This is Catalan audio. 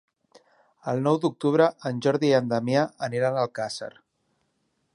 El nou d'octubre en Jordi i en Damià aniran a Alcàsser.